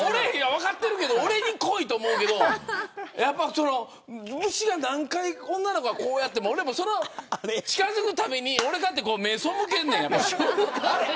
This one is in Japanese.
分かってるけど俺に来いと思うけど何回、虫を女の子がこうやっても近づくたびに俺も目を背けんねん。